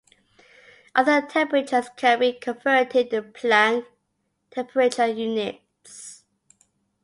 Other temperatures can be converted to Planck temperature units.